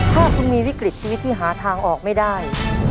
ถ้าคุณมีวิกฤตชีวิตที่หาทางออกไม่ได้